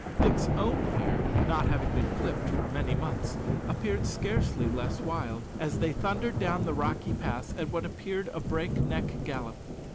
Dick's own hair, not having been clipped for many months, appeared scarcely less wild, as they thundered down the rocky pass at what appeared a break neck gallop.